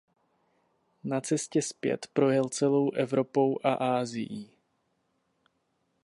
Na cestě zpět projel celou Evropou a Asií.